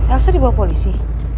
elsa dibawa ke polisi